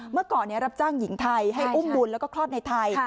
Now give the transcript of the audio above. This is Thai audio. เมื่อก่อนรับจ้างหญิงไทยให้อุ้มบุญแล้วก็คลอดในไทย